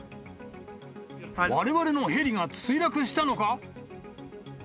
われわれのヘリが墜落したのか？